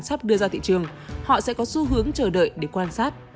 sắp đưa ra thị trường họ sẽ có xu hướng chờ đợi để quan sát